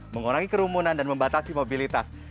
mengurangi kerumunan dan membatasi mobilitas